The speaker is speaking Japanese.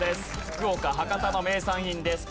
福岡博多の名産品です。